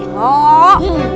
ya allah ibu